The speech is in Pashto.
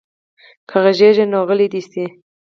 که غږېږي نو غلی دې شي.